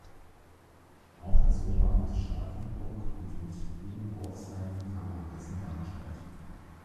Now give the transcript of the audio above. Auch das Oberamt Starkenburg und mit ihm Gorxheim kam an Hessen-Darmstadt.